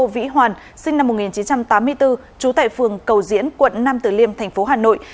vĩ hoàn sinh năm một nghìn chín trăm tám mươi bốn trú tại phường cầu diễn quận nam tử liêm thành phố hà nội